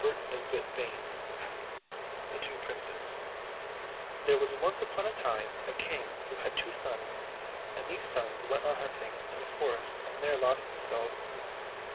208 THE TWO PRINCES THE TWO PRINCES THERE was once upon a time a King who had two sons, and these sons went a hunting in the forest and there lost themselves.